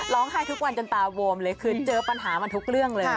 ให้ทุกวันจนตาโวมเลยคือเจอปัญหามันทุกเรื่องเลย